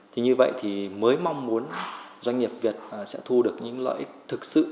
thì như vậy thì mới mong muốn doanh nghiệp việt sẽ thu được những lợi ích thực sự